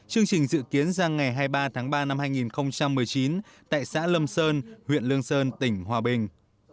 chương trình dự kiến ra ngày hai mươi ba tháng ba năm hai nghìn một mươi chín tại xã lâm sơn huyện lương sơn tỉnh hòa bình